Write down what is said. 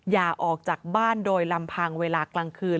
อย่าออกจากบ้านโดยลำพังเวลากลางคืน